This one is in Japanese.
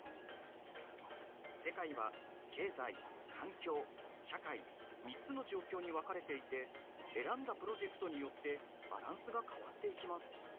世界は経済環境社会３つの状況に分かれていて選んだプロジェクトによってバランスが変わっていきます。